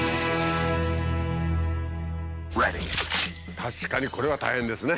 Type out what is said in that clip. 確かにこれは大変ですね。